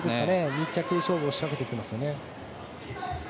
密着勝負を仕掛けてきていますね。